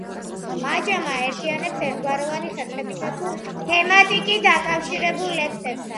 მაჯამა აერთიანებს ერთგვაროვანი ხერხებითა თუ თემატიკით დაკავშირებულ ლექსებსაც.